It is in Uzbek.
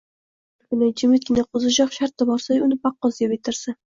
Endi bir kuni jimitgina qo‘zichoq shartta borsa-yu uni paqqos yeb bitirsa!